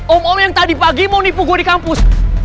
om om yang tadi pagi mau dipukul di kampus